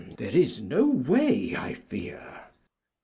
"There is no way, I fear."